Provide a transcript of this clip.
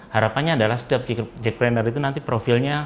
harapannya adalah setiap jakprender itu nanti profilnya